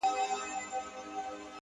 • زه په دې افتادګۍ کي لوی ګَړنګ یم ـ